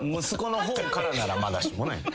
息子の方からならまだしもね。